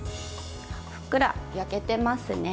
ふっくら焼けてますね。